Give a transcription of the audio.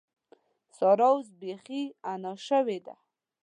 سارا اوس بېخي انا شوې ده.